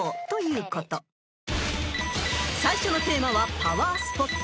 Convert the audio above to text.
［最初のテーマはパワースポット］